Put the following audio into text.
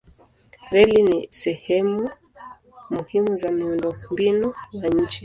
Reli ni sehemu muhimu za miundombinu wa nchi.